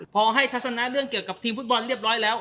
พอให้ทัศนะเรื่องเกี่ยวกับทีมฟุตบอลเรียบร้อยแล้ว